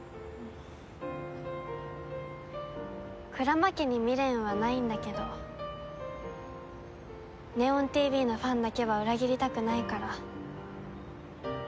鞍馬家に未練はないんだけど「祢音ＴＶ」のファンだけは裏切りたくないから。